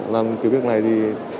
làm kiểm viết này thì